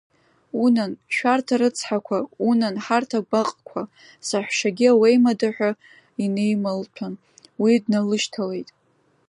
Унан, шәарҭ арыцҳақәа, унан, ҳарҭ агәаҟқәа, саҳәшьагьы ауеимадаҳәа инеималҭәан, уи дналышьҭалеит.